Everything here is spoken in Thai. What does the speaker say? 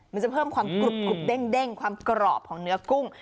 มันจะเพิ่มความกรุบเด้งความกรอบของเนื้อกุ้ง